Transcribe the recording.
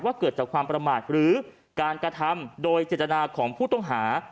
เกิดจากความประมาทหรือการกระทำโดยเจตนาของผู้ต้องหา